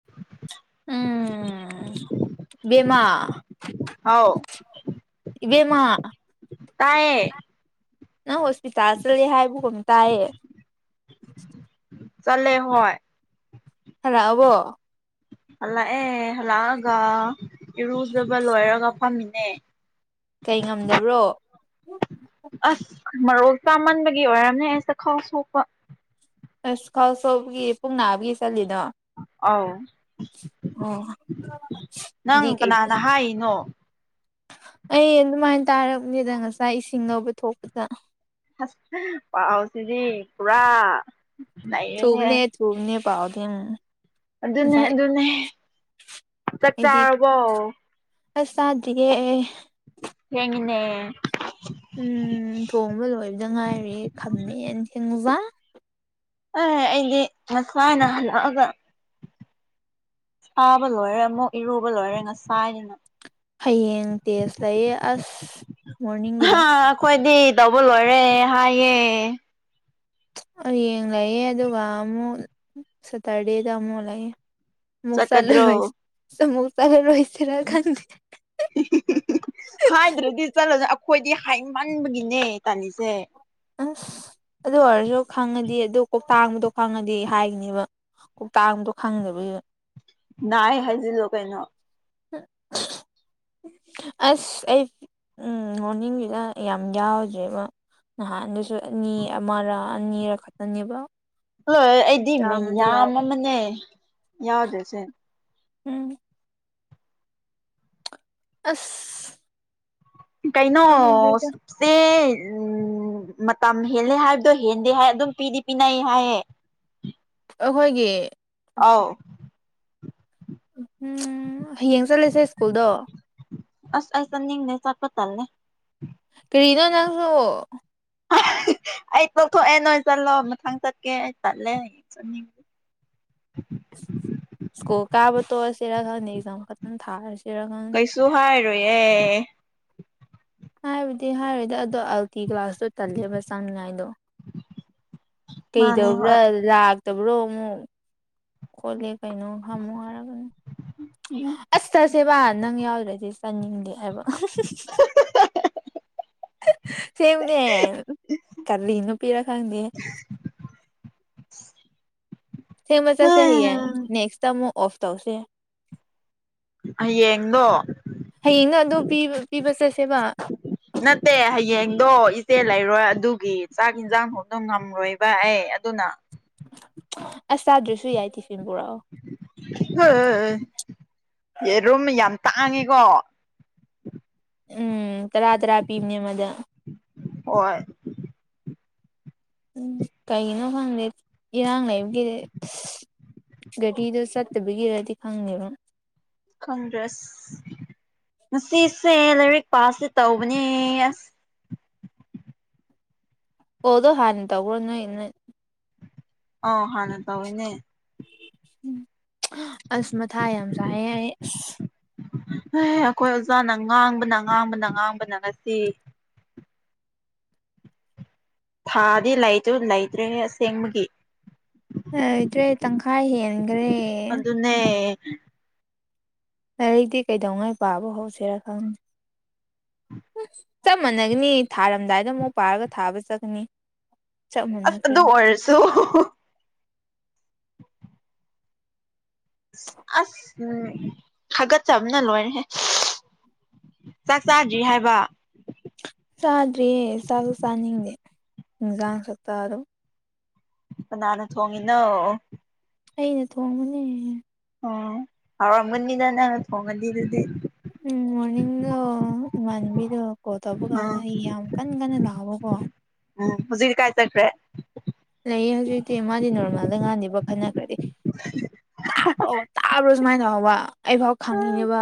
[inaudible] ꯎꯝ ꯏꯕꯦꯃꯥ ꯍꯥꯎ ꯏꯕꯦꯝ ꯃꯥ ꯇꯥꯏꯌꯦ ꯅꯪ ꯍꯣꯁꯄꯤꯇꯥꯜ ꯆꯠꯂꯦ ꯍꯥꯏꯕꯒꯨꯝ ꯇꯥꯏꯌꯦ ꯆꯂꯦ ꯍꯣꯏ ꯍꯂꯥꯥ ꯑꯕꯣ ꯍꯜꯂꯛꯑꯦ ꯍꯜꯂꯛꯑꯒ ꯏꯔꯨꯖꯕ ꯂꯣꯏꯔꯒ ꯐꯝꯃꯤꯅꯦ ꯀꯩ ꯉꯝꯗꯕ꯭ꯔꯣ ꯑꯁ ꯃꯔꯣꯜ ꯆꯥꯃꯟꯕꯒꯤ ꯑꯣꯏꯔꯝꯅꯦ ꯑꯩꯁꯗ ꯈꯥꯎ ꯁꯣꯛꯄ ꯑꯁ ꯈꯥꯎꯁꯣꯄꯒꯤ ꯄꯨꯡ ꯅꯥꯕꯒꯤ ꯆꯠꯂꯤꯅꯣ ꯑꯧ ꯑꯣ ꯅꯪ ꯗꯤ ꯀꯩ ꯀꯅꯥꯅ ꯍꯥꯏꯔꯤꯅꯣ ꯑꯩ ꯑꯗꯨꯃꯥꯏꯅ ꯇꯥꯔꯕꯅꯤꯗ ꯉꯁꯥꯏ ꯏꯁꯤꯡ ꯂꯧꯕ ꯊꯣꯛꯄꯗ ꯄꯥꯎꯁꯤꯗꯤ ꯄꯨꯔꯥ ꯅꯩꯔꯦꯍꯦ ꯊꯨꯕꯅꯦ ꯊꯨꯕꯅꯦ ꯄꯥꯎꯗꯤꯡ ꯑꯗꯨꯅꯦ ꯑꯗꯨꯅꯦ ꯆꯠ ꯑꯩꯗꯤ ꯆꯥꯔꯕꯣ ꯑꯁ ꯆꯗ꯭ꯔꯤꯌꯦ ꯌꯦꯡꯉꯤꯅꯦ ꯎꯝ ꯊꯣꯡꯕ ꯂꯣꯏꯕꯗ ꯉꯥꯏꯔ ꯈꯝꯃꯦꯟ ꯊꯦꯡꯉꯨꯖ ꯑꯦ ꯑꯩꯗꯤ ꯉꯁꯥꯏꯅ ꯍꯜꯂꯛꯑꯒ ꯐꯕ ꯂꯣꯏꯔꯦ ꯑꯃꯨꯛ ꯏꯔꯨꯕ ꯂꯣꯏꯔꯦ ꯉꯁꯥꯏꯅꯤꯅ ꯍꯌꯦꯡ ꯇꯦꯖꯁ ꯂꯩꯌꯦ ꯑꯁ ꯃꯣꯔꯅꯤꯡꯒꯤꯗ ꯈꯣꯏꯗꯤ ꯇꯧꯕ ꯂꯣꯏꯔꯦ ꯍꯥꯏꯌꯦ ꯌꯦꯡ ꯂꯩꯌꯦ ꯑꯗꯨꯒ ꯑꯃꯨꯛ ꯁꯇꯔꯗꯦꯗ ꯑꯃꯨꯛ ꯂꯩꯌꯦ ꯃꯨꯛ ꯆꯠꯀꯗ꯭ꯔꯣ ꯆꯠꯂꯔꯣꯏ ꯑꯃꯨꯛ ꯆꯠꯏꯔꯣꯁꯤꯔ ꯈꯡꯗꯦ ꯍꯥꯏꯗ꯭ꯔꯗꯤ ꯆꯠꯂꯅꯦ ꯑꯈꯣꯏꯗꯤ ꯍꯥꯏꯃꯟꯕꯒꯤꯅꯦ ꯇꯥꯟꯂꯤꯁꯦ ꯑꯁ ꯑꯗꯨ ꯑꯣꯏꯔꯖꯨ ꯈꯪꯉꯗꯤ ꯑꯗꯨ ꯀꯣꯛꯇꯥꯡꯕꯗꯣ ꯈꯪꯉꯗꯤ ꯍꯥꯏꯒꯤꯅꯦꯕ ꯀꯧꯇꯥꯛꯗꯣ ꯈꯪꯗꯕꯒꯤ ꯅꯥꯏ ꯍꯥꯏꯖꯜꯂꯣ ꯀꯩꯅꯣ ꯑꯁ ꯑꯩ ꯎꯝ ꯃꯣꯔꯅꯤꯡꯒꯒꯤꯗ ꯌꯥꯝ ꯌꯥꯎꯗ꯭ꯔꯦꯕ ꯅꯍꯥꯟꯗꯁꯨ ꯑꯅꯤ ꯑꯃꯔ ꯑꯅꯤꯔ ꯈꯠꯇꯅꯦꯕ ꯎꯂꯣꯌꯦ ꯑꯩꯗꯤ ꯃꯩ ꯌꯥꯝ ꯑꯃꯅꯦ ꯌꯥꯎꯗ꯭ꯔꯤꯁꯦ ꯎꯝ ꯑꯁ ꯈꯪꯗ꯭ꯔꯦꯗ ꯀꯩꯅꯣꯁ ꯆꯦ ꯎꯝ ꯃꯇꯝ ꯍꯦꯜꯂꯦ ꯍꯥꯏꯕꯗꯣ ꯍꯦꯟꯗꯦ ꯍꯥꯏ ꯑꯗꯨꯝ ꯄꯤꯗꯤ ꯄꯤꯅꯩ ꯍꯥꯏꯌꯦ ꯑꯈꯣꯏꯒꯤ ꯑꯥꯎ ꯎꯝ ꯍꯌꯦꯡ ꯆꯠꯂꯁꯦ ꯁ꯭ꯀꯨꯜꯗꯣ ꯑꯁ ꯑꯩ ꯆꯠꯅꯤꯡꯗꯦ ꯆꯠꯄ ꯇꯜꯂꯦ ꯀꯔꯤꯅꯣ ꯅꯪꯁꯨ ꯑꯩ ꯇꯣꯛꯊꯣꯛꯑꯦ ꯅꯣꯏ ꯆꯠꯂꯣ ꯃꯊꯪ ꯆꯠꯀꯦ ꯑꯩ ꯇꯜꯂꯦ ꯆꯅꯤꯡ__ ꯁ꯭ꯀꯨꯜ ꯀꯥꯕ ꯇꯣꯛꯑꯁꯤꯔ ꯈꯪꯗꯦ ꯑꯦꯛꯖꯥꯝ ꯈꯛꯇꯟ ꯊꯥꯔꯁꯤꯔ ꯈꯪ__ ꯆꯨꯍꯥꯏꯔꯣꯏꯌꯦ ꯍꯥꯏꯕꯨꯗꯤ ꯍꯥꯏꯔꯣꯏꯗ ꯑꯗꯣ ꯑꯜꯇꯤ ꯀ꯭ꯂꯥꯁꯇꯣ ꯇꯜꯂꯦꯕ ꯆꯥꯟꯉꯥꯏꯗꯣ ꯃꯥꯅꯦ ꯀꯩꯗꯧꯕ꯭ꯔꯥ ꯍꯣꯏ ꯂꯥꯛꯇꯕ꯭ꯔꯣ ꯑꯃꯨꯛ ꯈꯣꯠꯂꯦ ꯀꯩꯅꯣ ꯍꯥꯝꯃꯨ ꯍꯥꯏꯛꯀꯅꯤ [unintelligible] ꯑꯁ ꯆꯠꯁꯦꯕ ꯅꯪ ꯌꯥꯎꯗ꯭ꯔꯗꯤ ꯆꯪꯅꯤꯡꯗꯦ ꯍꯥꯏꯕ ꯁꯦꯝꯃꯛꯅꯦ ꯀꯔꯤ ꯅꯨꯄꯤꯔ ꯈꯪꯗꯦꯍꯦ [inaudible] ꯁꯦꯡꯕ ꯆꯠꯁꯦ ꯍꯌꯦꯡ ꯅꯦꯛꯁꯇ ꯑꯃꯨꯛ ꯑꯣꯐ ꯇꯧꯁꯦ ꯍꯌꯦꯡ ꯗꯣ ꯍꯌꯦꯡꯅꯣ ꯑꯗꯨ ꯄꯤꯕ ꯄꯤꯕ ꯆꯠꯁꯦꯕ ꯅꯠꯇꯦ ꯍꯌꯦꯡꯗꯣ ꯏꯆꯦ ꯂꯩꯔꯣꯏ ꯑꯗꯨꯒꯤ ꯆꯥꯛ ꯍꯤꯟꯖꯥꯡ ꯈꯣꯡꯕꯗꯣ ꯉꯝꯃꯔꯣꯏ ꯕꯥ ꯑꯩ ꯑꯗꯨꯅ ꯑꯁ ꯆꯥꯗ꯭ꯔꯁꯨ ꯌꯥꯏ ꯇꯤꯐꯤꯟ ꯄꯨꯔꯑꯣ [unintelligible] ꯌꯦꯔꯨꯝ ꯌꯥꯝ ꯇꯥꯡꯉꯦꯀꯣ ꯎꯝ ꯇꯔꯥ ꯇꯔꯥ ꯄꯤꯕꯅꯦ ꯑꯃꯗ ꯍꯣꯏ ꯎꯝ ꯀꯩꯒꯤꯅꯣ ꯈꯪꯗꯦ ꯏꯔꯥꯡ ꯂꯩꯕꯒꯤꯔꯦ ꯒꯥꯇ꯭ꯔꯤꯗꯣ ꯆꯠꯇꯕꯤꯒꯤꯔꯗꯤ ꯈꯪꯅꯦꯕ ꯈꯪꯗ꯭ꯔꯦ ꯑꯁ ꯉꯁꯤꯁꯦ ꯂꯥꯏꯔꯤꯛ ꯄꯁꯦ ꯇꯧꯕꯅꯦ ꯑꯁ ꯑꯣ ꯗꯣ ꯍꯥꯟꯅ ꯇꯧꯕ꯭ꯔꯣ ꯅꯣꯏ ꯅꯣꯏ ꯑꯧ ꯍꯥꯟꯅ ꯇꯧꯌꯤꯅꯦ ꯎꯝ ꯑꯁ ꯃꯊꯥ ꯌꯥꯝ ꯁꯥꯏꯌꯦ ꯑꯩ ꯑꯨꯁ ꯑꯈꯣꯏ ꯑꯣꯖꯥꯅ ꯉꯥꯡꯕꯅ ꯉꯥꯡꯕꯅ ꯉꯥꯡꯕꯅ ꯉꯁꯤ ꯊꯥꯗꯤ ꯂꯩꯆꯨ ꯂꯩꯇ꯭ꯔꯦꯍꯦ ꯑꯁꯦꯡꯕꯒꯤ ꯑꯩꯇ꯭ꯔꯦ ꯇꯪꯈꯥꯏ ꯍꯦꯟꯒ꯭ꯔꯦ ꯑꯗꯨꯅꯦ ꯂꯥꯏꯔꯤꯛꯇꯤ ꯀꯩꯗꯧꯉꯩ ꯄꯥꯕ ꯍꯧꯁꯤꯔꯥ ꯈꯪ ꯆꯞ ꯃꯥꯟꯅꯒꯅꯤ ꯊꯥꯔꯝꯗꯥꯏꯗ ꯑꯃꯨꯛ ꯄꯥꯔꯒ ꯊꯥꯕ ꯆꯠꯀꯅꯤ ꯆꯞ ꯑꯁ ꯑꯗꯨ ꯃꯥꯟꯅꯈ꯭ꯔꯅꯤ ꯑꯣꯏꯔꯁꯨ ꯑꯁ ꯎꯝ ꯍꯥꯒꯠ ꯆꯝꯕꯅ ꯂꯣꯏꯔꯦꯍꯦ ꯆꯥꯛ ꯆꯥꯗ꯭ꯔꯤ ꯍꯥꯏꯕ ꯆꯥꯗ꯭ꯔꯤꯌꯦ ꯆꯥꯛꯁꯨ ꯆꯥꯅꯤꯡꯗꯦ ꯏꯟꯖꯥꯡ ꯁꯛꯇꯗꯨꯒ ꯀꯅꯥꯅ ꯊꯣꯡꯉꯤꯅꯣ ꯑꯩ ꯊꯣꯡꯕꯅꯦ ꯑꯣ ꯍꯧꯔꯝꯒꯅꯤꯗ ꯅꯪꯅ ꯊꯣꯡꯉꯗꯤ ꯑꯗꯨꯗꯤ ꯎꯝ ꯃꯣꯔꯅꯤꯡꯗꯣ ꯏꯃꯅꯕꯤꯗꯦ ꯀꯣꯜ ꯀꯧꯕ ꯑꯥ ꯀꯥꯟꯅ ꯑꯩ ꯌꯥꯝ ꯀꯟ ꯀꯟꯅ ꯂꯥꯎꯑꯣꯀꯣ ꯎꯝ ꯍꯨꯍꯤꯛ ꯀꯥꯏ ꯇꯠꯈ꯭ꯔꯦ ꯂꯩꯌꯦ ꯍꯧꯖꯤꯛꯇꯤ ꯃꯥꯗꯤ ꯅꯣꯔꯃꯦꯜꯗ ꯉꯥꯡꯅꯤꯕ ꯈꯠꯅꯈ꯭ꯔꯗꯤ ꯇꯥꯕ꯭ꯔꯣ ꯇꯥꯕ꯭ꯔꯣ ꯁꯨꯃꯥꯏꯅ ꯇꯧꯕ ꯑꯩꯐꯥꯎ ꯈꯪꯉꯤꯅꯦꯕ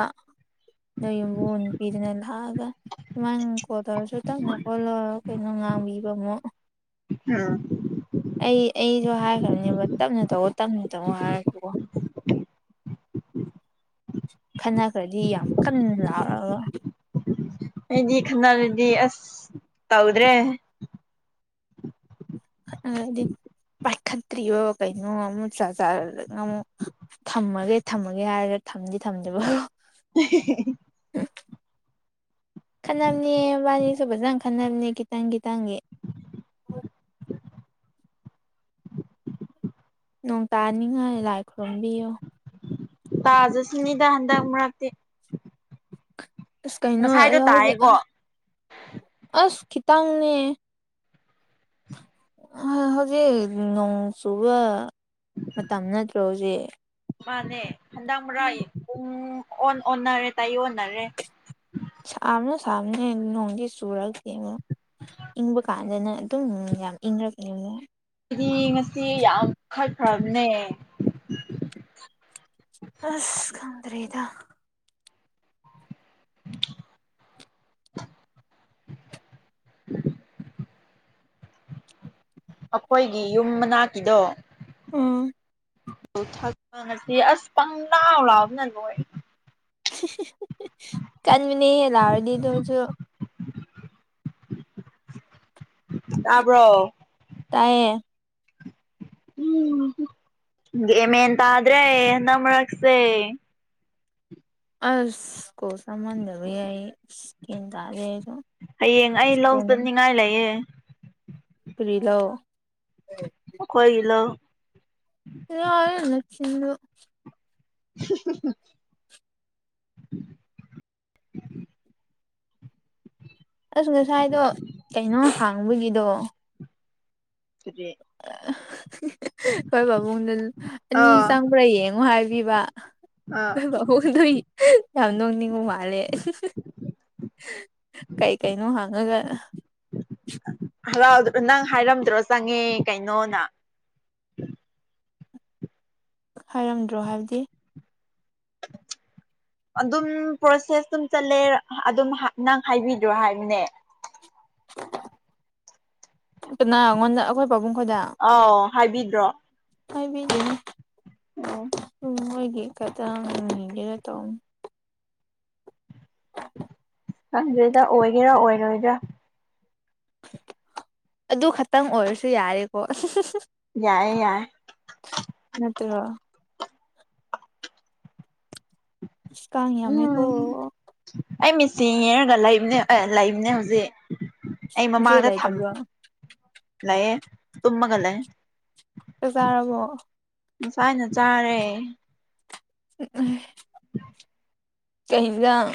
ꯅꯣꯏ ꯌꯨꯝꯕꯨꯟ ꯅꯨꯄꯤꯗꯨꯅ ꯂꯥꯛꯑꯒ ꯅꯪ ꯀꯣꯟ ꯇꯔꯁꯨ ꯇꯞꯅ ꯈꯣꯠꯂꯣ ꯀꯩꯅꯣ ꯉꯥꯡꯕꯤꯕ ꯑꯃꯨꯛ ꯑꯝ ꯑꯩ ꯑꯩꯖꯨ ꯍꯥꯏꯈ꯭ꯔꯅꯦꯕ ꯇꯞꯅ ꯇꯧꯑꯣ ꯇꯞꯅ ꯇꯧꯑꯣ ꯍꯥꯏꯔꯛꯄꯀꯣ ꯈꯠꯅꯈ꯭ꯔꯗꯤ ꯌꯥꯝ ꯀꯟꯅ ꯂꯥꯎꯔꯒ ꯑꯩꯗꯤ ꯈꯠꯅꯔꯗꯤ ꯑꯁ ꯇꯧꯗ꯭ꯔꯦ ꯈꯠꯅꯔꯗꯤ ꯄꯥꯏꯈꯠꯇ꯭ꯔꯤꯑꯣ ꯀꯩꯅꯣ ꯑꯃ ꯆꯠ ꯆꯠ ꯑꯃꯨꯛ ꯊꯝꯃꯒꯦ ꯊꯝꯃꯒꯦ ꯍꯥꯏꯔꯒ ꯊꯝꯗꯤ ꯊꯝꯗꯕ [inaudible] ꯈꯠꯅꯝꯅꯦ ꯃꯥꯅꯤꯁꯨ ꯐꯖꯅ ꯈꯠꯅꯝꯅꯦ ꯈꯤꯇꯪ ꯈꯤꯇꯪꯒꯤ ꯅꯣꯡ ꯇꯥꯅꯤꯡꯉꯥꯏ ꯂꯥꯏ ꯈꯨꯔꯨꯝꯕꯤꯌꯣ ꯇꯥꯖꯁꯅꯤꯗꯥ ꯍꯟꯗꯛ ꯃꯔꯛꯇꯤ ꯑꯁ ꯀꯩꯅꯣ ꯉꯁꯥꯏꯗꯣ ꯂꯧꯒꯤ ꯇꯥꯏꯌꯦꯀꯣ ꯑꯁ ꯈꯤꯇꯪꯅꯦ ꯍꯍꯧꯖꯤꯛ ꯅꯣꯡ ꯆꯨꯒ ꯃꯇꯝ ꯅꯠꯇ꯭ꯔꯣ ꯍꯨꯖꯤꯛ ꯃꯥꯅꯦ ꯍꯟꯗꯛ ꯃꯔꯛ ꯄꯨꯡ ꯑꯣꯟ ꯑꯣꯟꯅꯔꯦ ꯇꯥꯏ ꯑꯣꯟꯅꯔꯦ ꯁꯥꯃꯅ ꯁꯥꯃꯅꯦ ꯅꯣꯡꯁꯤ ꯆꯨꯔꯛꯇꯦꯅꯦ [inaudible] ꯏꯪꯕ ꯀꯥꯟꯗꯅ ꯑꯗꯨꯝ ꯌꯥꯝ ꯏꯪꯔꯛꯅꯤ ꯑꯃꯨꯛ ꯗꯤ ꯉꯁꯤ ꯌꯥꯝ ꯈꯠꯈ꯭ꯔꯝꯅꯦ ꯑꯁ ꯈꯪꯗ꯭ꯔꯦꯗ ꯑꯈꯣꯏꯒꯤ ꯌꯨꯝ ꯃꯅꯥꯛꯀꯤꯗꯣ ꯎꯝ ꯊꯛꯁꯤ ꯑꯁ ꯄꯪ ꯂꯥꯎ ꯂꯥꯎꯕꯅ ꯂꯣꯏ ꯀꯥꯟꯃꯤꯅꯤ ꯂꯥꯎꯔꯗꯤꯗꯨꯁꯨ ꯇꯥꯕ꯭ꯔꯣ ꯇꯥꯏꯌꯦ ꯎꯝ ꯒꯌꯥꯟ ꯃꯦꯟ ꯇꯗ꯭ꯔꯦ ꯍꯟꯗꯛ ꯃꯔꯛꯁꯦ ꯑꯏꯁꯀꯣ ꯁꯥꯟ [unintelligible] ꯌꯥꯏ [unintelligible] ꯒꯌꯥꯟ ꯇꯗꯦ ꯑꯩꯁꯨ ꯍꯌꯦꯡ ꯑꯩ ꯂꯧ ꯀꯣꯟꯅ ꯆꯠꯅꯤꯡꯉꯥꯏ ꯂꯩꯌꯦ ꯄꯨꯔꯤꯂꯣ ꯃꯈꯣꯏꯒꯤ ꯂꯣ ꯌꯥꯔꯅꯤ ꯅꯆꯤꯟꯗꯣ [unintelligible] ꯑꯁ ꯉꯁꯥꯏꯗꯣ ꯀꯩꯅꯣ ꯍꯥꯡꯕꯒꯤꯗꯣ ꯁꯤꯗꯤ ꯍꯣꯏ ꯄꯥꯕꯨꯡꯗ ꯑꯅꯤ ꯑꯥ ꯆꯪꯕ꯭ꯔꯥ ꯌꯦꯡꯉꯣ ꯍꯥꯏꯕꯤꯕ ꯑꯥ ꯍꯣꯏ ꯃꯈꯣꯡꯗꯨꯏ ꯌꯥꯝ ꯅꯣꯡꯅꯤꯡꯕ ꯃꯥꯜꯂꯦ ꯀꯩꯀꯩꯅꯣ ꯍꯥꯡꯉꯒ ꯍꯔꯥꯎꯗꯕ ꯅꯪ ꯍꯥꯏꯔꯝꯗ꯭ꯔꯣ ꯆꯪꯉꯦ ꯀꯩꯅꯣꯅ ꯍꯥꯏꯔꯝꯗ꯭ꯔꯣ ꯍꯥꯏꯕꯗꯤ [unintelligible] ꯑꯗꯨꯝ ꯄ꯭ꯔꯣꯁꯦꯁ ꯑꯗꯨꯝ ꯆꯠꯂꯦ ꯑꯗꯨꯝ ꯅꯪ ꯍꯥꯏꯕꯤꯗ꯭ꯔꯣ ꯍꯥꯏꯕꯅꯦ ꯀꯅꯥꯉꯣꯟꯗ ꯑꯩꯈꯣꯏ ꯄꯥꯕꯨꯡ ꯈꯣꯏꯗ ꯑꯥꯎ ꯍꯥꯏꯕꯤꯗ꯭ꯔꯣ ꯍꯥꯏꯕꯤꯗꯦꯍꯦ ꯑꯣ ꯃꯣꯏꯒꯤ ꯈꯤꯇꯪꯒꯦꯅ ꯇꯧ ꯀꯪꯗꯦꯗ ꯑꯣꯏꯒꯦꯔꯥ ꯑꯣꯏꯔꯣꯏꯔꯥ ꯑꯗꯨ ꯈꯛꯇꯪ ꯑꯣꯏꯔꯁꯨ ꯌꯥꯔꯦꯀꯣ ꯌꯥꯏꯑꯦ ꯌꯥꯏꯑꯦ ꯅꯠꯇ꯭ꯔꯣ ꯀꯥꯡ ꯌꯝꯃꯦ ꯀꯣ ꯎꯝ ꯑꯩ ꯃꯤꯆꯤ ꯌꯦꯔꯒ ꯂꯩꯕꯅꯦ ꯂꯩꯕꯅꯦ ꯍꯧꯖꯤꯛ ꯑꯩ ꯏꯆꯦ ꯃꯃꯥꯡꯗ ꯊꯝ ꯂꯩꯇꯕ꯭ꯔꯣ ꯂꯩꯌꯦ ꯇꯨꯃꯒꯂꯩ ꯆꯥꯛ ꯆꯥꯔꯕꯣ ꯉꯁꯥꯏꯅ ꯆꯥꯔꯦ ꯀꯩ ꯍꯤꯟꯖꯥꯡ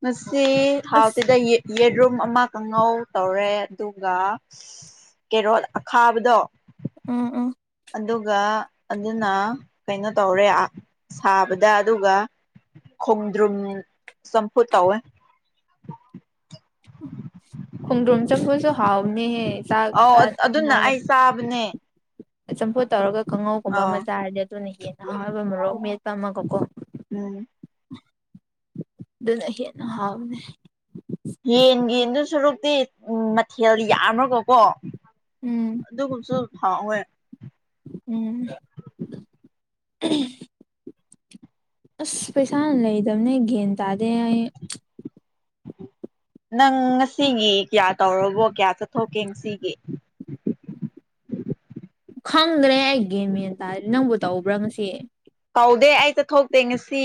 ꯉꯥꯁꯤ ꯍꯥꯎꯇꯦꯗ ꯌꯦꯟ ꯌꯦꯔꯨꯝ ꯑꯃ ꯀꯥꯡꯉꯧ ꯇꯧꯔꯦ ꯑꯗꯨꯒ ꯀꯦꯔꯣꯠ ꯑꯈꯥꯕꯗꯣ ꯎꯝ ꯎꯝ ꯑꯗꯨꯒ ꯑꯗꯨꯅ ꯀꯩꯅꯣ ꯇꯧꯔꯦ ꯑ ꯁꯥꯕꯗ ꯑꯗꯨꯒ ꯈꯣꯡꯗ꯭ꯔꯨꯝ ꯆꯝꯐꯨꯠ ꯇꯧꯋꯦ ꯈꯣꯡꯗ꯭ꯔꯣꯝ ꯆꯠꯄꯨꯠꯁꯨ ꯍꯥꯎꯅꯤꯍꯦ ꯆꯥꯛ ꯑꯧ ꯆꯥꯅꯤꯛ ꯑꯗꯨꯅ ꯉꯥꯢꯂꯩ ꯑꯩ ꯆꯥꯕꯅꯦ ꯆꯝꯐꯣꯠ ꯇꯧꯔꯒ ꯀꯥꯡꯉꯧꯒꯨꯝꯕ ꯑꯧ ꯑꯃ ꯆꯥꯔꯗꯤ ꯑꯗꯨꯅ ꯌꯦꯟꯅ ꯎꯝ ꯍꯥꯎꯋꯦꯀꯣ ꯃꯔꯣꯛ ꯃꯦꯠꯄ ꯑꯃꯒꯀꯣ ꯎꯝ ꯑꯗꯨꯅ ꯍꯦꯟꯅ ꯍꯥꯎꯕꯅꯦ ꯌꯦꯟꯒꯤ ꯏꯟꯗꯨ ꯁꯨꯔꯨꯛꯇꯤ ꯎꯝ ꯃꯊꯦꯜ ꯌꯥꯝ꯭ꯔꯒꯀꯣ ꯎꯝ ꯑꯗꯨꯒꯨꯝꯁꯨ ꯍꯥꯎꯋꯦ ꯎꯝ ꯑꯁ ꯄꯩꯁꯥꯅ ꯂꯩꯗꯝꯅꯦ ꯒꯦꯟ ꯇꯥꯗꯦ ꯑꯩ ꯅꯪ ꯉꯁꯤꯒꯤ ꯀꯌꯥ ꯇꯧꯔꯕꯣ ꯀꯌꯥ ꯆꯠꯊꯣꯛꯀꯦ ꯉꯁꯤꯒꯤ ꯈꯪꯗ꯭ꯔꯦ ꯑꯩ ꯒꯦꯃꯦ ꯇꯥꯏ ꯅꯪꯕꯨ ꯇꯧꯕ꯭ꯔꯥ ꯉꯁꯤ ꯇꯧꯗꯦ ꯑꯩ ꯆꯊꯣꯛꯇꯦ ꯉꯁꯤ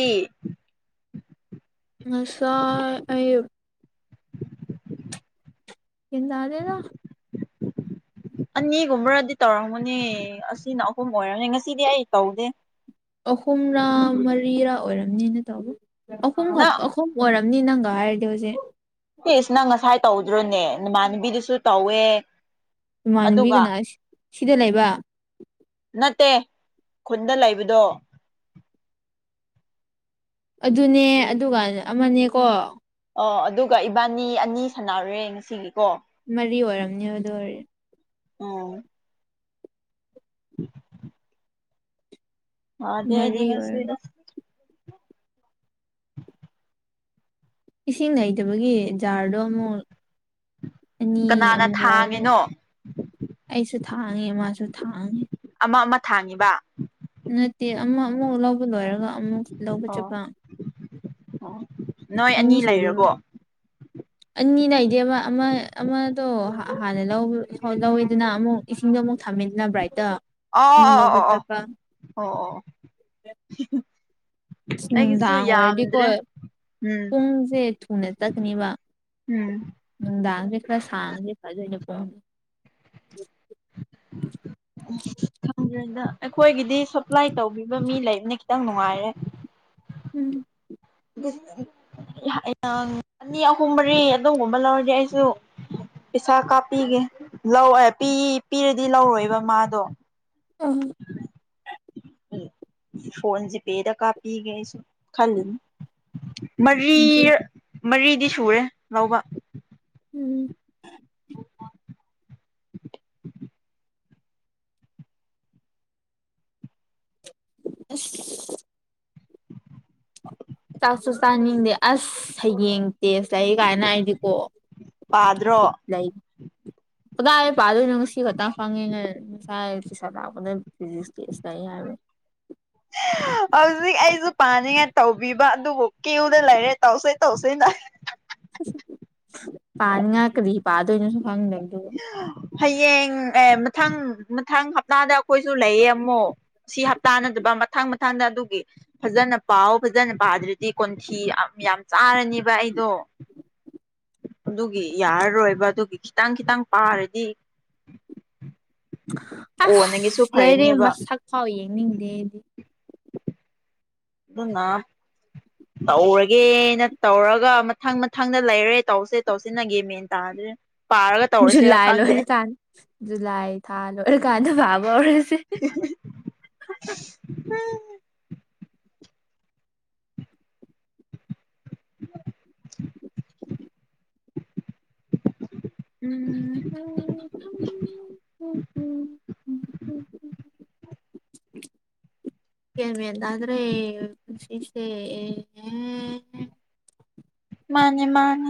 ꯉꯁꯥꯏ ꯑꯌꯨꯛ ꯒꯌ꯭ꯥꯟ ꯇꯥꯗꯦꯗꯥ [inaudible] ꯑꯅꯤ ꯒꯨꯝꯕꯔꯗꯤ ꯇꯧꯔꯝ ꯃꯅꯦ ꯑꯁꯤꯅ ꯑꯍꯨꯝ ꯑꯣꯏꯔꯅꯤ ꯉꯁꯤꯗꯤ ꯑꯩ ꯇꯧꯗꯦ ꯑꯍꯨꯝꯔꯥ ꯃꯔꯤꯔꯥ ꯑꯣꯏꯔꯝꯅꯤꯅ ꯇꯧꯕ ꯑꯍꯨꯝ ꯈꯠ ꯅꯪ ꯁꯝ ꯑꯣꯏꯔꯝꯅꯤ ꯅꯪꯒ ꯍꯥꯏꯔꯗꯤ ꯍꯨꯖꯤꯛ ꯏꯁ ꯅꯪ ꯉꯁꯥꯏ ꯇꯧꯗ꯭ꯔꯣꯅꯦ ꯅꯃꯥꯟꯅꯕꯤꯗꯨꯁꯨ ꯇꯧꯋꯦ ꯏꯃꯥꯟꯅꯕꯤꯒꯅ ꯑꯗꯨꯒ ꯁꯤꯗ ꯂꯩꯕ ꯅꯠꯇꯦ ꯈꯨꯟꯗ ꯂꯩꯕꯗꯣ ꯑꯗꯨꯅꯦ ꯑꯗꯨꯒ ꯑꯃꯅꯦꯀꯣ ꯑꯣ ꯑꯗꯨꯒ ꯏꯕꯥꯅꯤ ꯑꯅꯤ ꯁꯥꯟꯅꯔꯦ ꯉꯁꯤꯒꯤ ꯀꯣ ꯃꯔꯤ ꯑꯣꯏꯔꯝꯅꯦ ꯑꯗꯨ ꯑꯣꯏꯔ ꯑꯥ [inaudible] ꯋꯗꯦ ꯑꯩꯗꯤ ꯃꯔꯤ ꯉꯁꯤ ꯑꯣꯏꯔꯝꯅꯤ ꯑꯁ ꯏꯁꯤꯡ ꯅꯩꯇꯕꯒꯤ ꯖꯥꯔꯗꯣ ꯑꯃꯨꯛ ꯑꯅꯤ ꯀꯅꯥꯅ ꯑꯃꯨꯛ ꯂꯧꯔꯦ ꯊꯥꯡꯉꯤꯅꯣ ꯑꯩꯁꯨ ꯊꯥꯡꯉꯦ ꯃꯥꯁꯨ ꯊꯥꯡꯉꯦ ꯑꯃꯥ ꯑꯃꯥ ꯊꯥꯡꯉꯤꯕ ꯅꯠꯇꯦ ꯑꯃꯥ ꯑꯃꯨꯛ ꯂꯧꯕ ꯂꯣꯏꯔꯒ ꯑꯃꯨꯛ ꯂꯧꯕ ꯆꯠꯄ ꯑ‌ꯣ ꯅꯣꯏ ꯑꯅꯤ ꯂꯩꯔꯕꯣ ꯑꯟꯅꯤ ꯅꯩꯗ‌ꯦꯕ ꯑꯃꯥ ꯑꯃꯥ ꯗꯣ ꯍꯥꯟꯅ ꯂꯧꯕ ꯂꯧꯋꯦꯗꯅ ꯑꯃꯨꯛ ꯏꯁꯤꯡꯗꯣ ꯑꯃꯨꯛ ꯊꯥꯝꯃ‌ꯦꯗꯅ ꯕꯔꯥꯏꯠꯇ‌ [unintelligible] ꯑꯩꯒꯤꯁꯨ ꯅꯨꯡꯗꯥꯥꯡ ꯑ‌ꯣꯏꯔꯗꯤ ꯀꯣꯏ ꯌꯥꯝꯗ꯭ꯔꯦ ꯎꯝ ꯄꯨꯡꯖ‌ꯦ ꯊꯨꯅ ꯆꯠꯀꯅꯤꯕ ꯎꯝ ꯅꯨꯡꯗꯥꯡꯖ‌ꯦ ꯈꯔ ꯁꯥꯡꯉꯗꯤ ꯐꯗꯣꯏꯅꯦ ꯀ‌ꯣ [inaudible] ꯈꯪꯗ꯭ꯔꯦꯗ ꯑꯩꯈꯣꯏꯒꯤꯗꯤ ꯁꯞꯄ꯭ꯂꯥꯏ ꯇꯧꯕꯤꯕ ꯃꯤ ꯂꯩꯕꯅꯤ ꯈꯤꯇꯪ ꯅꯨꯡꯉꯥꯏꯔꯦ ꯎꯝ [unintelligible] ꯃꯤ ꯑꯍꯨꯝ ꯃꯔꯤ ꯑꯗꯨꯒꯨꯝꯕ ꯂꯧꯔꯗꯤ ꯑꯩꯁꯨ ꯄꯩꯁꯥ ꯀꯥꯞꯄꯤꯒꯦ ꯂꯧ ꯑ‌ꯦ ꯄꯤ ꯄꯤꯔꯗꯤ ꯂꯧꯔꯣꯏꯕ ꯃꯥꯗꯣ [unintelligible] ꯎꯝ ꯐꯣꯟ ꯖꯤꯄꯦꯗ ꯀꯥꯞꯄꯤꯒꯦ ꯑꯩꯁꯨ ꯈꯜꯂꯤꯅꯤ ꯍꯪꯆꯤꯠ ꯃꯔꯤꯔ ꯃꯔꯤꯗꯤ ꯁꯨꯔꯦ ꯂꯧꯕ ꯎꯝ ꯑꯁ ꯆꯥꯛꯁꯨ ꯆꯥꯅꯤꯡꯗꯦ ꯑꯁ ꯍꯌꯦꯡ ꯇꯦꯁ ꯂꯩ ꯀꯥꯏꯅ ꯑꯩꯗꯤ ꯀꯣ ꯄꯥꯗ꯭ꯔꯣ ꯂꯩ ꯀꯗꯥꯏ ꯄꯥꯗꯣꯏ ꯅꯣ ꯉꯁꯤ ꯈꯛꯇ ꯐꯪꯉꯤꯉ ꯆꯥꯏ ꯇꯁꯔꯗꯅ ꯐꯤꯖꯁꯀꯤ ꯏꯁꯇ [unintelligible] ꯍꯧꯖꯤꯛ ꯑꯩꯁꯨ ꯄꯥꯅꯤꯡꯉꯥꯏ ꯇꯧꯕꯤꯕ ꯑꯗꯨꯕꯨ ꯀꯨꯗ ꯂꯩꯔꯦ ꯇꯧꯁꯦ ꯇꯧꯁ‌ꯦꯅ ꯄꯅꯤꯡꯌꯥ ꯀꯔꯤ ꯄꯥꯗꯣ ꯈꯪꯅꯁꯨ ꯈꯪꯗꯕꯗꯨꯕꯨ ꯍꯌꯦꯡ ꯑꯦ ꯃꯊꯪ ꯃꯊꯪ ꯍꯞꯇꯥꯗ ꯑꯩꯈꯣꯏꯁꯨ ꯂꯩꯌꯦ ꯑꯃꯨꯛ ꯁꯤ ꯍꯞꯇꯥ ꯅꯠꯇꯕ ꯃꯊꯪ ꯃꯊꯪꯗ ꯑꯗꯨꯒꯤ ꯐꯖꯅ ꯄꯥꯎ ꯐꯖꯅ ꯄꯥꯗ꯭ꯔꯗꯤ ꯀꯣꯟꯊꯤ ꯌꯥꯝ ꯌꯥꯝ ꯆꯥꯔꯅꯦꯕ ꯑꯩꯗꯣ ꯑꯗꯨꯒꯤ ꯌꯥꯔꯔꯣꯏꯕ ꯑꯗꯨꯒꯤ ꯈꯤꯇꯪ ꯈꯤꯇꯪ ꯄꯥꯔꯗꯤ ꯑꯁ ꯀꯣꯟꯅꯒꯤꯁꯨ ꯂꯩꯥꯏꯔꯤꯛ ꯐꯔꯅꯦꯕ ꯃꯁꯛ ꯐꯥꯎ ꯌꯦꯡꯅꯤꯡꯗꯦꯗꯤ ꯑꯗꯨꯅꯥ ꯇꯧꯔꯒꯦꯅ ꯇꯧꯔꯒ ꯃꯊꯪ ꯃꯊꯪꯗ ꯂꯩꯔꯦ ꯇꯧꯁꯦ ꯇꯧꯁꯤꯟꯅꯒꯦ ꯃꯦꯟ ꯇꯥ [unintelligible] ꯖꯨꯂꯥꯏ ꯂꯣꯏꯔꯀꯥꯟ ꯖꯨꯂꯥꯏ ꯊꯥ ꯂꯣꯏꯔꯀꯥꯟꯗ ꯐꯥꯕ ꯍꯧꯔꯁꯦ [unintelligible] [unintelligible] [unintelligible] [inaudible] ꯒ꯭ꯌꯥꯟꯃ‌ꯦꯟ ꯇꯤꯗ꯭ꯔ‌ꯦ ꯄꯨꯟꯁꯤꯁ‌ꯦ ꯃꯥꯅꯦ ꯃꯥꯅꯦ